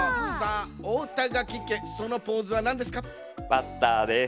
バッターです。